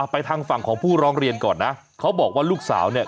ทางฝั่งของผู้ร้องเรียนก่อนนะเขาบอกว่าลูกสาวเนี่ย